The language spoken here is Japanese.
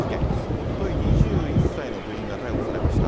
おととい、２１歳の部員が逮捕されました。